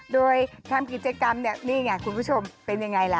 โดยทำกิจกรรมเนี่ยนี่ไงคุณผู้ชมเป็นยังไงล่ะ